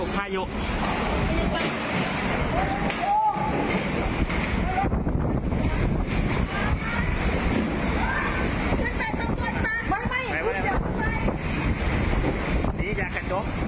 พายุพายุ